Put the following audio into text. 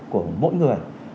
của mỗi người